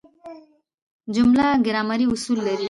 جمله ګرامري اصول لري.